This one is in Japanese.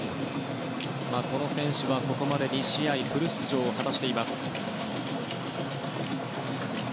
この選手は、ここまで２試合フル出場を果たしています。